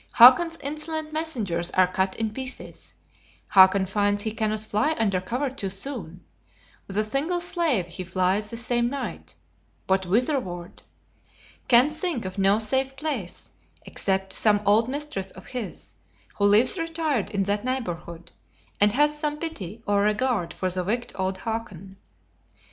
Hakon's insolent messengers are cut in pieces; Hakon finds he cannot fly under cover too soon. With a single slave he flies that same night; but whitherward? Can think of no safe place, except to some old mistress of his, who lives retired in that neighborhood, and has some pity or regard for the wicked old Hakon.